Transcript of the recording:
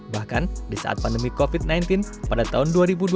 bahkan di saat pandemi covid sembilan belas pada tahun dua ribu dua puluh